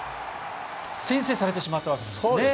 先制されてしまったわけですね。